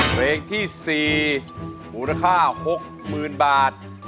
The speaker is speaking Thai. เพลงที่๔มูลค่า๖๐๐๐๐บาท